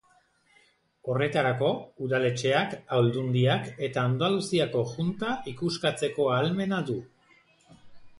Horretarako, udaletxeak, Aldundiak eta Andaluziako Junta ikuskatzeko ahalmena du.